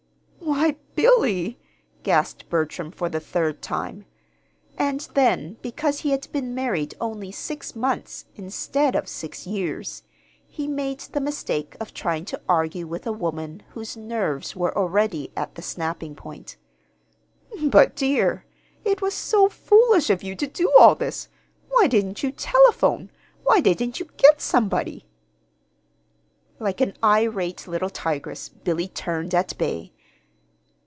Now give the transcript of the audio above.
"Why, Billy!" gasped Bertram, for the third time. And then, because he had been married only six months instead of six years, he made the mistake of trying to argue with a woman whose nerves were already at the snapping point. "But, dear, it was so foolish of you to do all this! Why didn't you telephone? Why didn't you get somebody?" Like an irate little tigress, Billy turned at bay.